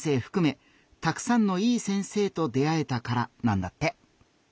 ふくめたくさんのいい先生と出会えたからなんだって。